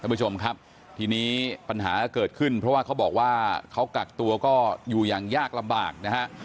ผู้ชมครับทีนี้ปัญหาก็เกิดขึ้นเพราะว่าเขาบอกว่าเขากักตัวก็อยู่อย่างยากลำบากนะฮะ